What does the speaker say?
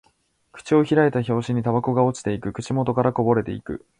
口を開いた拍子にタバコが落ちていく。口元からこぼれていく。